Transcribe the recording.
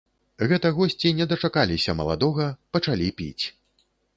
Гэта госці не дачакаліся маладога, пачалі піць.